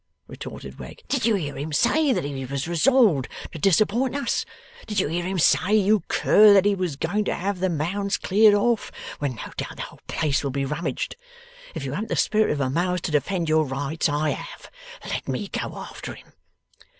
retorted Wegg. 'Did you hear him say that he was resolved to disappoint us? Did you hear him say, you cur, that he was going to have the Mounds cleared off, when no doubt the whole place will be rummaged? If you haven't the spirit of a mouse to defend your rights, I have. Let me go after him.